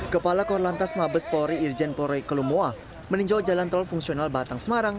kepala korlantas mabespori irjenpol royke lumowa meninjau jalan tol fungsional batang semarang